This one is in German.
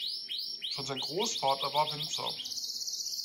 Schon sein Großvater war Winzer.